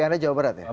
htv anda jawa barat ya